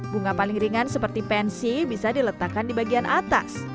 bunga paling ringan seperti pensi bisa diletakkan di bagian atas